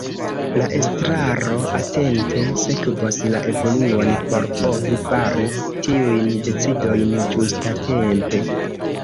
La Estraro atente sekvos la evoluon por povi fari tiujn decidojn ĝustatempe.